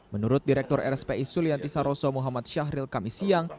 menurut direktur rspi sulianti saroso muhammad syahril kamisiyang